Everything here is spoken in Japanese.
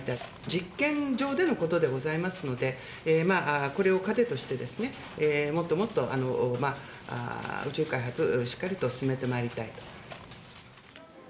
実験場でのことでございますので、これを糧としてですね、もっともっと宇宙開発をしっかりと進めてまいりたいと。